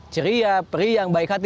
ceria peri yang baik hati